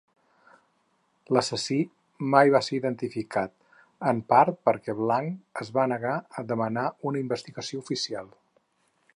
L'assassí mai va ser identificat, en part perquè blanc es va negar a demanar una investigació oficial.